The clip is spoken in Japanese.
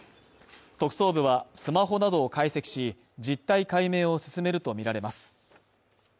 特捜部は、スマホなどを解析し、実態解明を進めるとみられます。